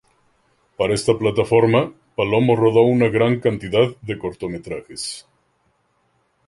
Para esta plataforma, Palomo rodó una gran cantidad de cortometrajes.